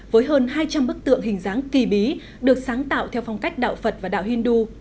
với hơn hai trăm linh bức tượng hình dáng kỳ bí được sáng tạo theo phong cách đạo phật và đạo hindu